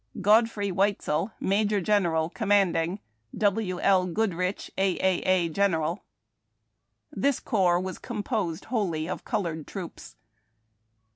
Godfrey Weitzei., Major General Commanding. [Official.] W. L. Goodrich, A. A. A. General. This corps was composed wlioU}^ of colored troops.